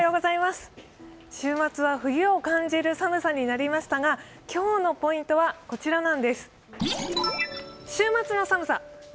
週末は冬を感じる寒さになりましたが、今日のポイントは、こちらなんです